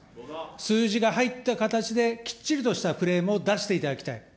数字が入った形できっちりとしたフレームを出していただきたい。